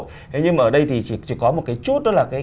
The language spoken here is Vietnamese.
thế nhưng mà ở đây thì chỉ có một cái chút